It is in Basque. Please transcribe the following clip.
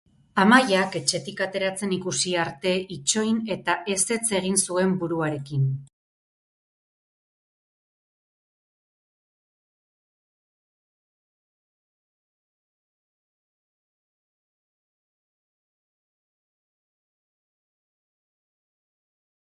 Amaiak etxetik ateratzen ikusi arte itxoin, eta ezetz egin zuen buruarekin.